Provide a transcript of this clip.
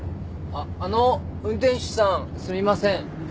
あっあの運転手さんすみません。